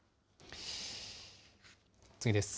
次です。